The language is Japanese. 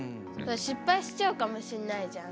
失敗しちゃうかもしんないじゃん。